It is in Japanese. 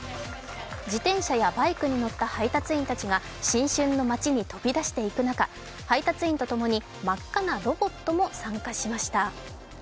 自転車やバイクに乗った配達員たちが新酒の街に飛び出していく中配達員とともに、真っ赤なロボットも参加しました。